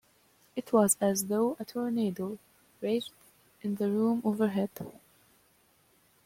It was as though a tornado raged in the room overhead.